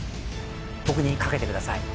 僕に賭けてください